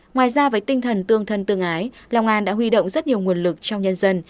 ngoài ra với tinh thần tương thân tương ái long an đã huy động rất nhiều nguồn lực trong nhân dân